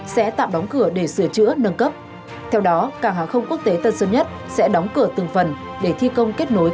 sẽ tạm đóng cửa để sửa chữa nâng cấp theo đó cảng hàng không quốc tế tân sơn nhất sẽ đóng cửa từng phần để thi công kết nối